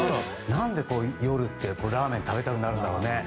何で、夜ってラーメンを食べたくなるんだろうね。